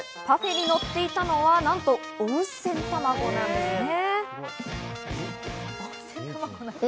パフェに乗っていたのはなんと温泉卵なんです。